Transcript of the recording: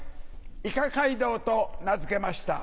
イカ街道と名付けました。